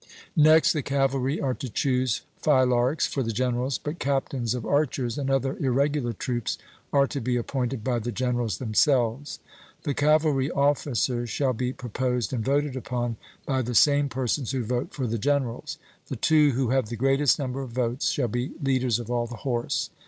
Next, the cavalry are to choose phylarchs for the generals; but captains of archers and other irregular troops are to be appointed by the generals themselves. The cavalry officers shall be proposed and voted upon by the same persons who vote for the generals. The two who have the greatest number of votes shall be leaders of all the horse.